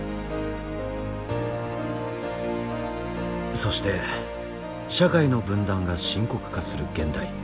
そして社会の分断が深刻化する現代。